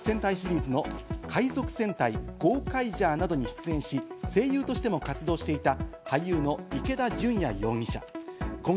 スーパー戦隊シリーズの『海賊戦隊ゴーカイジャー』などに出演し、声優としても活動していた俳優の池田純矢容疑者。